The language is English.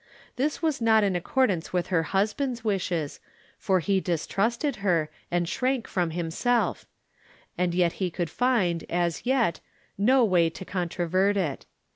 This was not in accordance with her husband's wishes, for he distrusted her, and shrank from himself ; and yet he could find, as yet, no way to contro vert it.